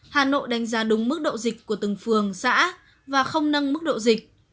hà nội đánh giá đúng mức độ dịch của từng phường xã và không nâng mức độ dịch